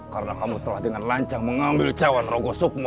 karena kamu telah dengan lancar mengambil cawan rogo sukmo